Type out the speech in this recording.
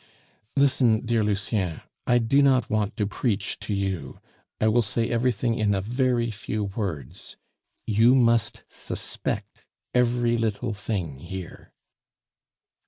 "Listen, dear Lucien; I do not want to preach to you, I will say everything in a very few words you must suspect every little thing here."